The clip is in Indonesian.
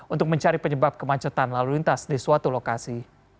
untuk mencari penyebab kemacetan lalu lintas di suatu lokasi